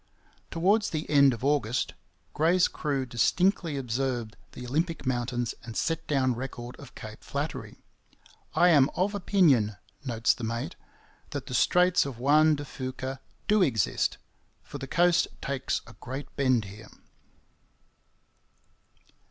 Towards the end of August Gray's crew distinctly observed the Olympic mountains and set down record of Cape Flattery. 'I am of opinion,' notes the mate, 'that the Straits of Juan de Fuca do exist; for the coast takes a great bend here.'